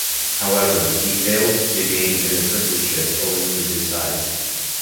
However, he failed to gain an apprenticeship owing to his size.